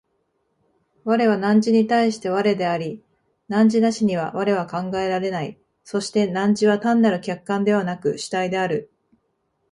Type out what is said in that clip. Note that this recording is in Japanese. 我は汝に対して我であり、汝なしには我は考えられない、そして汝は単なる客観でなく主体である。